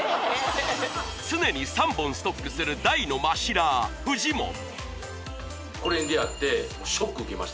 常に３本ストックする大のマシラーフジモン